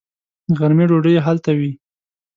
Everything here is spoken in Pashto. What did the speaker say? د غرمې ډوډۍ یې هلته وي.